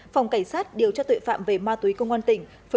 phòng cảnh sát điều tra tội phạm về ma túy công an tỉnh